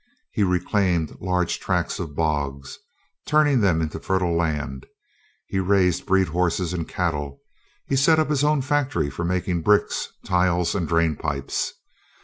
He reclaimed large tracts of bogs, turning them into fertile land. He raised breed horses and cattle. He set up his own factory for making bricks, tiles, and drain pipes.